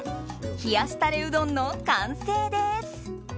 冷やしたれうどんの完成です。